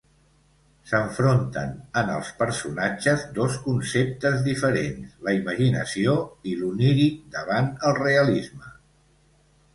S'enfronten en els personatges dos conceptes diferents: la imaginació i l'oníric davant el realisme.